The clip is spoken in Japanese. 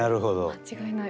間違いない。